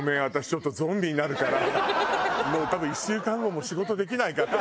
ちょっとゾンビになるから多分１週間後もう仕事できないから」。